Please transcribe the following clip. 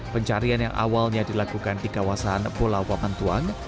pencarian yang awalnya dilakukan di kawasan pulau paman tawang